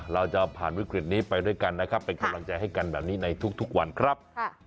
เราจะผ่านวิกฤตนี้ไปด้วยกันนะครับเป็นกำลังใจให้กันแบบนี้ในทุกวันครับ